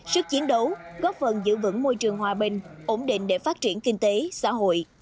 sức chiến đấu góp phần giữ vững môi trường hòa bình ổn định để phát triển kinh tế xã hội